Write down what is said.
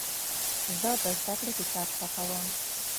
زه د زدهکړې کتاب خوښوم.